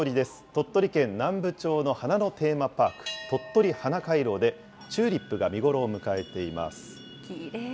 鳥取県南部町の花のテーマパーク、とっとり花回廊で、チューリップが見頃を迎えています。